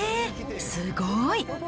すごい。